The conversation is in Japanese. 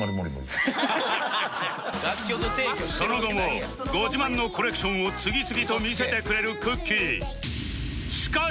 その後もご自慢のコレクションを次々と見せてくれるくっきー！